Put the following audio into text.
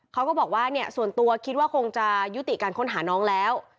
เขาก็บอกว่าเนี่ยส่วนตัวคิดว่าคงจะยุติการค้นหาน้องแล้ว